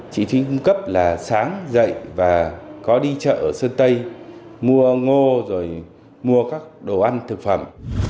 chị thúy cung cấp là sáng dậy và có đi chợ ở sơn tây mua ngô rồi mua các đồ ăn thực phẩm